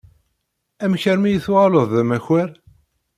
Amek armi i tuɣaleḍ d amakar?